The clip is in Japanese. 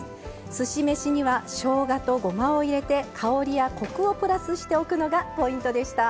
すし飯にはしょうがとごまを入れて香りやコクをプラスしておくのがポイントでした。